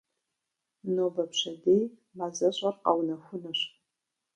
Нобэ-пщэдей мазэщӏэр къэунэхунущ.